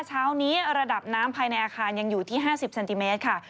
เช้านี้ระดับน้ำภายในอาคารยังอยู่ที่๕๐เซนติเมตรค่ะ